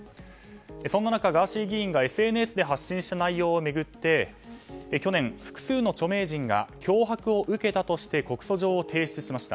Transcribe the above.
そんな中、ガーシー議員がＳＮＳで発信した内容を巡って去年、複数の著名人が脅迫を受けたとして告訴状を提出しました。